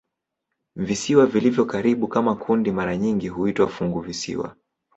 Visiwa vilivyo karibu kama kundi mara nyingi huitwa "funguvisiwa".